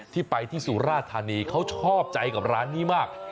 ที่ไปที่สุราธานีเขาชอบใจกับร้านนี้มาก